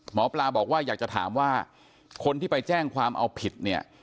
หมอปลาบอกว่าอยากจะถามว่าคนที่ไปแจ้งความเอาผิดเนี่ย